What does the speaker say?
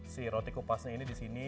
si roti kupasnya ini disini